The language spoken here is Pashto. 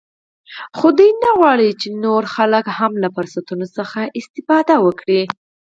خو دوی نه غواړ چې نور وګړي هم له فرصتونو څخه استفاده وکړي